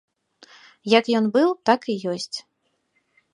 Як ён быў, так і ёсць.